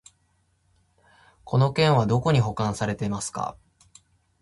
この件はどこに保管されてますか？